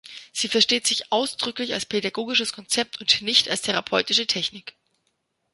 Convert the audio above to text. Sie versteht sich ausdrücklich als pädagogisches Konzept und nicht als therapeutische Technik.